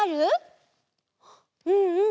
うんうん。